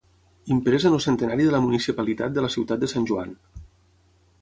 Imprès en el centenari de la municipalitat de la ciutat de Sant Joan.